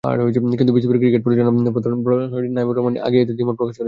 কিন্তু বিসিবির ক্রিকেট পরিচালনা প্রধান নাঈমুর রহমান আগেই এতে দ্বিমত প্রকাশ করেছেন।